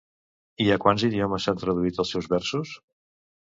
I a quants idiomes s'han traduït els seus versos?